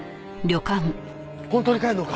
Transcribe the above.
本当に帰るのか？